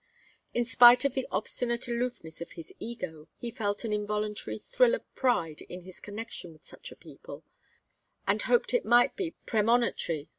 In spite of the obstinate aloofness of his ego he felt an involuntary thrill of pride in his connection with such a people; and hoped it might be premonitory.